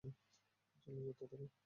চল, যেতে থাকো।